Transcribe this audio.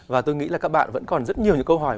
và tôi nghĩ là các bạn vẫn còn rất nhiều những câu hỏi